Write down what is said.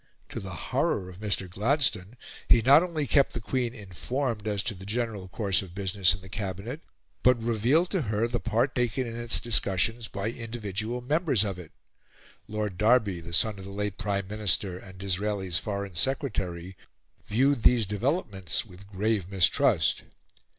To the horror of Mr. Gladstone, he not only kept the Queen informed as to the general course of business in the Cabinet, but revealed to her the part taken in its discussions by individual members of it. Lord Derby, the son of the late Prime Minister and Disraeli's Foreign Secretary, viewed these developments with grave mistrust.